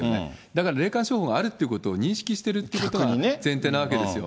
だから、霊感商法があるってことを認識しているということが前提なわけですよ。